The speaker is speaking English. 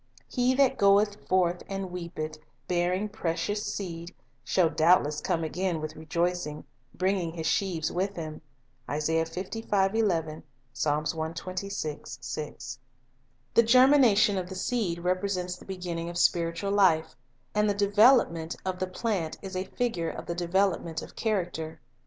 "He that goeth forth and weepeth, bearing precious seed, shall doubtless come again with rejoicing, bringing his sheaves with him."* The germination of the seed represents the begin ning of spiritual life, and the development of the plant is a figure of the development of character.